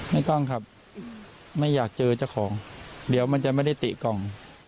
กล้องครับไม่อยากเจอเจ้าของเดี๋ยวมันจะไม่ได้ติกล่อง